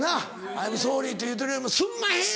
アイムソーリーって言うてるよりすんまへん！